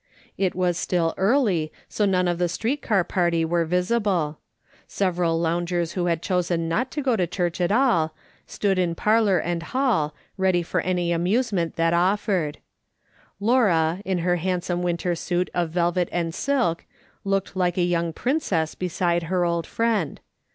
It was still early, so none of the street car party were visible. Several lounj^ers who had chosen not to go to church at all, stood in parlour and hall, ready for any amusement that offered. Laura, in her handsome winter suit of velvet and silk, looked like a young princess beside her old friend.